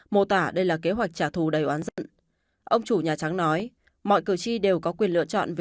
mô tả đây là kế hoạch trả thù đầy oán dận